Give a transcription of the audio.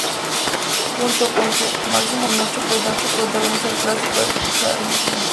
Junto con, su máximo rival, Pinocho protagoniza el "clásico del futsal argentino".